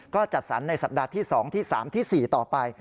ก็จัดสรรในสัปดาห์ที่๒ที่๓ที่๔ต่อไป